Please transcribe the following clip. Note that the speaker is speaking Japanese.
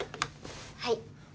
はい。